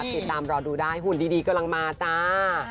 ติดตามรอดูได้หุ่นดีกำลังมาจ้า